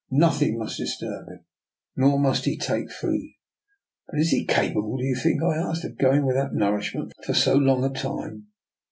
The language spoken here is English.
Nothing must disturb him. Nor must he taste food." " But is he capable, do you think," I asked, " of going without nourishment for so long a time?